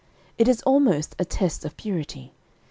It is almost a test of purity.